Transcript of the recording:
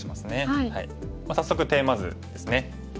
早速テーマ図ですね。